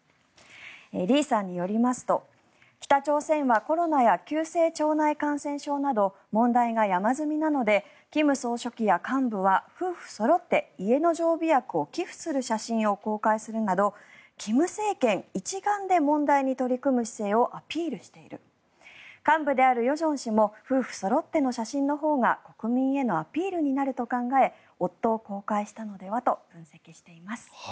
李さんによりますと、北朝鮮はコロナや急性腸内感染症など問題が山積みなので金総書記や幹部は夫婦そろって家の常備薬を寄付する写真を公開するなど金政権一丸で問題に取り組む姿勢をアピールしている幹部である与正氏も夫婦そろっての写真のほうが国民へのアピールになると考え夫を公開したのではと分析しています。